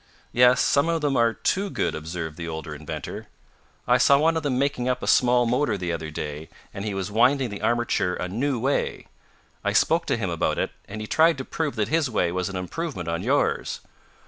"Yes, some of them are too good," observed the older inventor. "I saw one of them making up a small motor the other day, and he was winding the armature a new way. I spoke to him about it, and he tried to prove that his way was an improvement on yours.